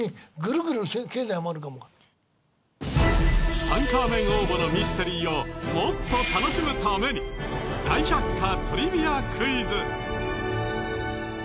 ツタンカーメン王墓のミステリーをもっと楽しむために大百科トリビアクイズ。